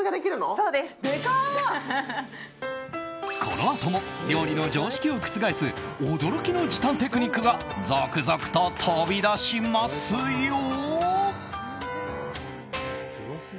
このあとも料理の常識を覆す驚きの時短テクニックが続々と飛び出しますよ。